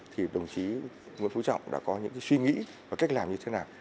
thì đồng chí nguyễn phú trọng đã có những suy nghĩ và cách làm như thế nào